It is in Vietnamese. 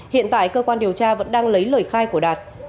hiện tại cơ quan điều tra vẫn đang lấy lời khai của đạt